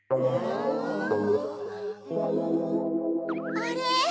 あれ？